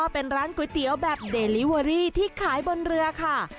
เป็นร้านก๋วยเตี๋ยวแบบเดลิเวอรี่ที่ขายบนเรือค่ะ